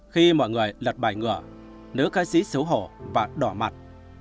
khi mọi người lật bài ngửa nữ ca sĩ xấu hổ và đỏ mặt